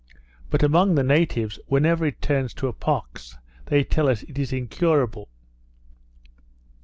But among the natives, whenever it turns to a pox, they tell us it is incurable.